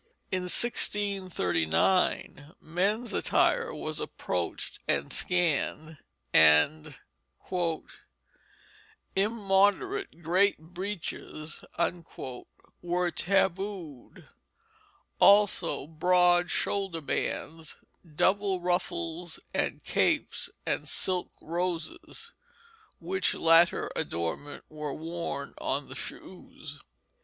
In 1639 men's attire was approached and scanned, and "immoderate great breeches" were tabooed; also broad shoulder bands, double ruffles and capes, and silk roses, which latter adornment were worn on the shoes.